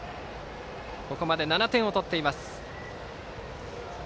ここまで７点を取っています。